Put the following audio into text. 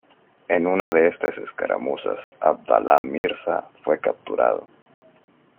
En una de estas escaramuzas Abdalá Mirza fue capturado.